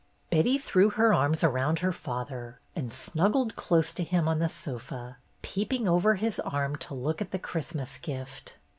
Betty threw her arms around her father and snuggled close to him on the sofa, peep ing over his arm to look at the Christmas gift.